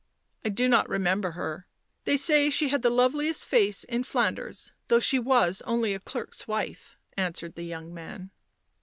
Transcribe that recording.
"I do not remember her. They say she had the loveliest face in Flanders, though she was only a clerk's wife," answered the young man.